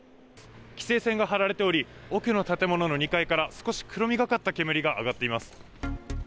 規制線が張られており、奥の建物の２階から少し黒みがかった煙が上がっています。